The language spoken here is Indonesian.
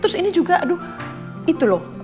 terus ini juga aduh itu loh